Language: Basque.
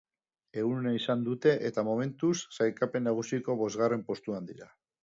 Egun ona izan dute eta momentuz, sailkapen nagusiko bosgarren postuan dira.